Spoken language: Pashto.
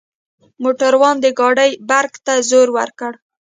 موټروان د ګاډۍ برک ته زور وکړ.